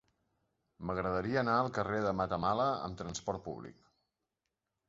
M'agradaria anar al carrer de Matamala amb trasport públic.